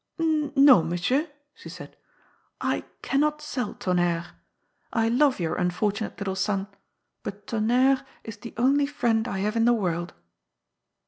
"No, monsieur," she said; "I cannot sell Tonnerre. I love your ifnf ortunate little son, but Tonnerre is the only friend I have in the world."